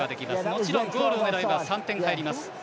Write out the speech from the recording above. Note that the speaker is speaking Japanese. もちろん、ゴールを狙えば３点入ります。